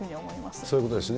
そういうことですね。